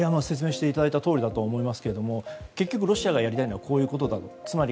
説明していただいたとおりだと思いますけれども結局、ロシアがやりたいのはこういうことだと。